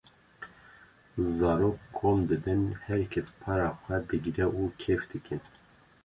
zarok kom dibin herkes para xwe digre û kêf dikin.